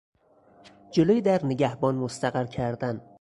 جلو در نگهبان مستقر کردن